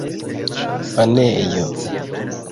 banejo